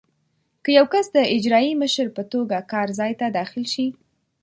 که یو کس د اجرایي مشر په توګه کار ځای ته داخل شي.